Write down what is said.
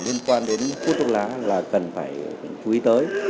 liên quan đến hút thuốc lá là cần phải chú ý tới